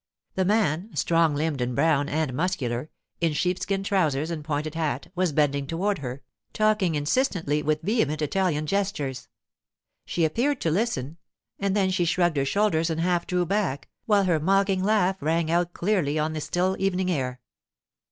The man, strong limbed and brown and muscular, in sheepskin trousers and pointed hat, was bending toward her, talking insistently with vehement Italian gestures. She appeared to listen, and then she shrugged her shoulders and half drew back, while her mocking laugh rang out clearly on the still evening air.